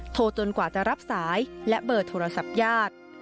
จนกว่าจะรับสายและเบอร์โทรศัพท์ญาติ